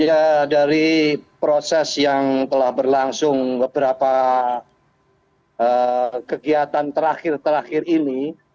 ya dari proses yang telah berlangsung beberapa kegiatan terakhir terakhir ini